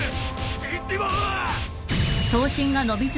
死んじまう！